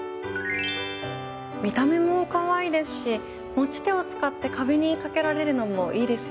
見た目もカワイイですし持ち手を使って壁に掛けられるのもいいですよね。